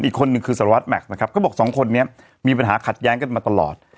อีกคนนึงคือสารวัตรแม็กซ์นะครับก็บอกสองคนนี้มีปัญหาขัดแย้งกันมาตลอด